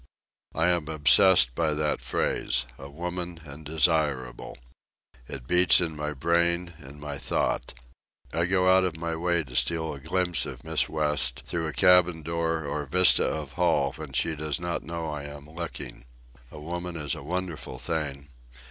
I am obsessed by that phrase—a woman and desirable. It beats in my brain, in my thought. I go out of my way to steal a glimpse of Miss West through a cabin door or vista of hall when she does not know I am looking. A woman is a wonderful thing.